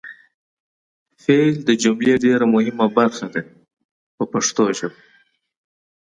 فعل د جملې ډېره مهمه برخه ده په پښتو ژبه.